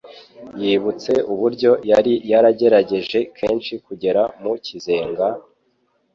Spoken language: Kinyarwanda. Yibutse uburyo yari yaragerageje kenshi kugera mu kizenga,